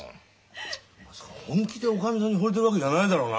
まさか本気でおかみさんにほれてるわけじゃないだろうな？